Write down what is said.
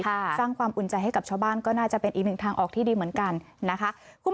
สร้างความอุ่นใจให้กับชาวบ้านก็น่าจะเป็นอีกหนึ่งทางออกที่ดีเหมือนกันนะคะ